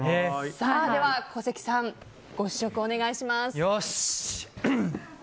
では、小関さんご試食お願いします。